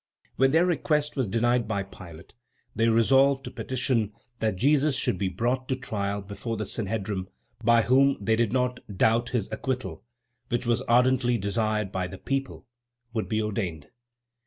When their request was denied by Pilate they resolved to petition that Jesus should be brought to trial before the Sanhedrim, by whom they did not doubt his acquittal which was ardently desired by the people would be ordained.